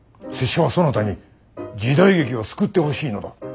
拙者はそなたに時代劇を救ってほしいのだ。